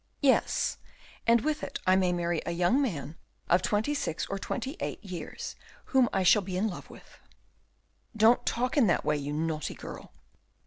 "Yes, and with it I may marry a young man of twenty six or twenty eight years, whom I shall be in love with." "Don't talk in that way, you naughty girl."